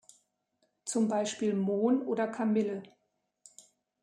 Zum Beispiel Mohn oder Kamille.